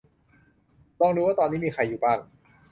ลองดูว่าตอนนี้มีใครอยู่ข้าง